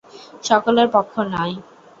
সকলের পক্ষে নয়।